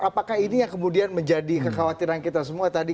apakah ini yang kemudian menjadi kekhawatiran kita semua tadi